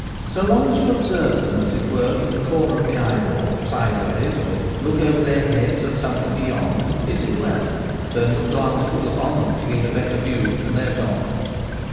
So long as you observe them, as it were, from the corner of the eyeball, sideways, or look over their heads at some thing beyond, it is well. Turn your glance full upon them to get a better view, and they are gone.